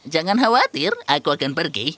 jangan khawatir aku akan pergi